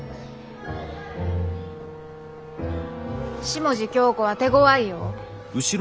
下地響子は手ごわいよ。